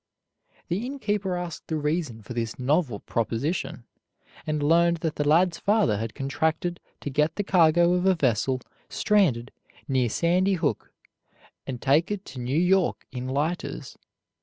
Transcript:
The innkeeper asked the reason for this novel proposition, and learned that the lad's father had contracted to get the cargo of a vessel stranded near Sandy Hook, and take it to New York in lighters.